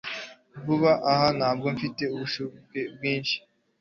Vuba aha ntabwo mfite ubushake bwinshi